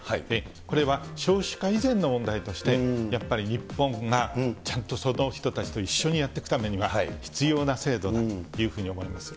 これは少子化以前の問題として、やっぱり日本がちゃんとその人たちと一緒にやっていくためには、必要な制度だというふうに思います。